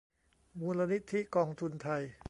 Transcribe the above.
มูลนิธิกองทุนไทย